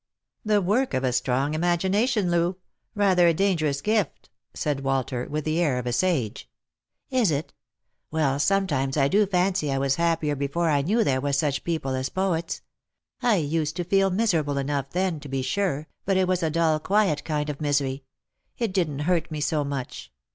" The work of a strong imagination, Loo. Rather a danger ous gift," said Walter, with the air of a sage. " Is it ? Well, sometimes I do fancy I was happier before I knew there was such people as poets. I used to feel miserable enough then, to be sure, but it was a dull quiet kind of misery ; it didn't hurt me so much.